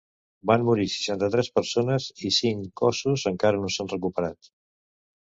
Van morir seixanta-tres persones, i cinc cossos encara no s'han recuperat.